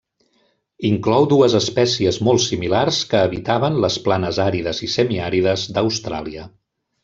Inclou dues espècies molt similars que habitaven les planes àrides i semiàrides d'Austràlia.